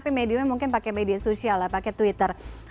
tapi mediumnya mungkin pakai media sosial ya pakai twitter